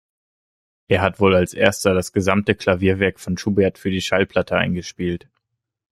Er hat wohl als erster das gesamte Klavierwerk von Schubert für die Schallplatte eingespielt.